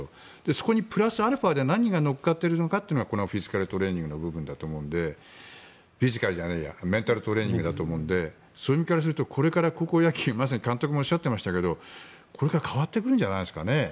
そこにプラスアルファで何が乗っかっているかというのがこのメンタルトレーニングの部分だと思うのでそういう意味からするとこれから高校野球まさに監督もおっしゃっていましたがこれから変わってくるんじゃないですかね。